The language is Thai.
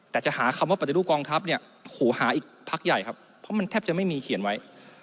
แต่จะหาคำว่าปฏิรูปกองทัพเนี่ยโหหาอีกพักใหญ่ครับเพราะมันแทบจะไม่มีเขียนไว้